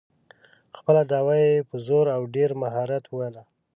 خپله دعوه یې په زور او ډېر مهارت وویله.